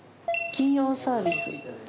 金曜サービス。